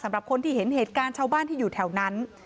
สำหรับคนที่เห็นเหตุการณ์ชาวบ้านที่อยู่แถวนั้น